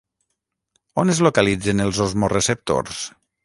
On es localitzen els osmoreceptors?